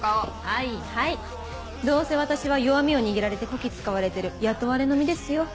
はいはいどうせ私は弱みを握られてこき使われてる雇われの身ですよ。